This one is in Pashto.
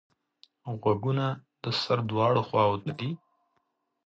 غوږونه د سر دواړو خواوو ته دي